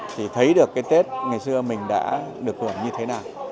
thì thấy được cái tết ngày xưa mình đã được hưởng như thế nào